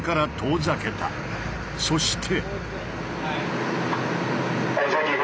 そして。